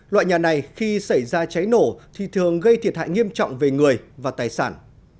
loại nhà này khi xảy ra cháy nổ thì thường gây thiệt hại nghiêm trọng về người và tài sản